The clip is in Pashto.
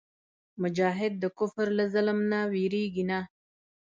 مجاهد د کفر له ظلم نه وېرېږي نه.